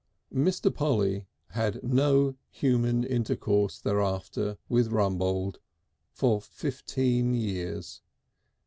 Mr. Polly had no human intercourse thereafter with Rumbold for fifteen years.